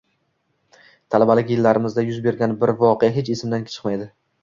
Talabalik yillarimda yuz bergan bir voqea hech esimdan chiqmaydi.